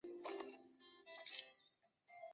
郑君炽生于香港。